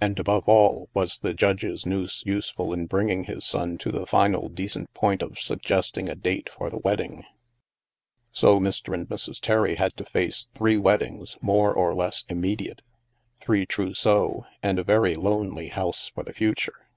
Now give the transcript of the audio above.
And, above all, was the Judge's noose useful in bringing his son to the final decent point of sug gesting a date for the wedding. So Mr. and Mrs. Terry had to face three wed dings, more or less immediate, three trousseaux, and a very lonely house for the future.